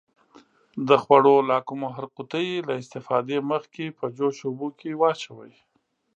د خوړو لاکمُر قوطي له استفادې مخکې په جوش اوبو کې واچوئ.